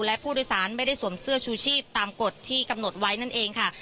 และผู้โดยสารไม่ได้สวมเสื้อชูชีพตามกฎที่กำหนดไว้นั่นเองค่ะ